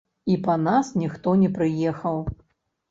І па нас ніхто не прыехаў!